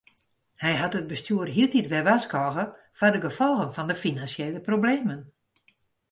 Hy hat it bestjoer hieltyd wer warskôge foar de gefolgen fan de finansjele problemen.